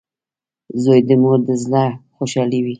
• زوی د مور د زړۀ خوشحالي وي.